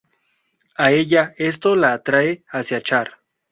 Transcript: A Ella esto la atrae hacia Char.